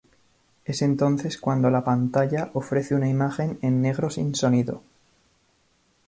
Es entonces cuando la pantalla ofrece una imagen en negro sin sonido.